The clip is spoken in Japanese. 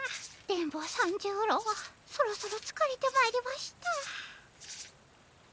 電ボ三十郎そろそろつかれてまいりました。